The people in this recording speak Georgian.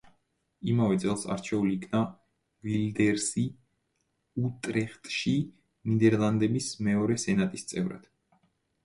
იმავე წელს არჩეული იქნა ვილდერსი უტრეხტში ნიდერლანდების მეორე სენატის წევრად.